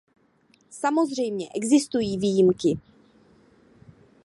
Samozřejmě existují výjimky.